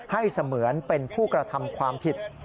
เสมือนเป็นผู้กระทำความผิด